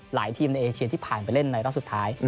ทีมในเอเชียที่ผ่านไปเล่นในรอบสุดท้าย